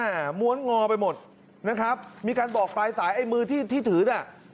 ม้วนงอไปหมดนะครับมีการบอกปลายสายไอ้มือที่ที่ถือน่ะ